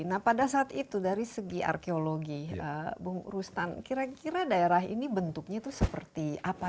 nah pada saat itu dari segi arkeologi bung rustan kira kira daerah ini bentuknya itu seperti apa